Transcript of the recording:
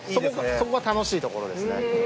そこが楽しいところですね。